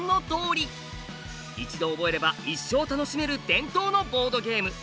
一度覚えれば一生楽しめる伝統のボードゲーム。